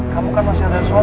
kasihan sih darul